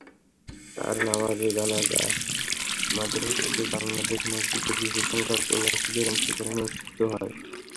তাঁর নামাজে জানাজা মাদ্রিদের বাংলাদেশ মসজিদে বিপুলসংখ্যক প্রবাসীদের অংশগ্রহণে অনুষ্ঠিত হয়।